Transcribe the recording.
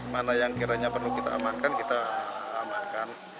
mana yang kiranya perlu kita amankan kita amankan